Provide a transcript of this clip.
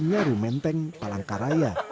nyaru menteng palangkaraya